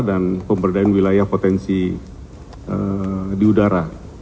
dan pemberdayaan wilayah potensi di udara